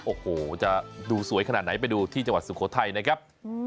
โอ้โหจะดูสวยขนาดไหนไปดูที่จังหวัดสุโขทัยนะครับ